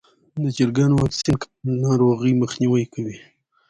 د چرګانو واکسین کول ناروغۍ مخنیوی کوي.